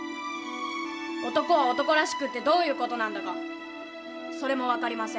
男は男らしくってどういうことなんだかそれも分かりません。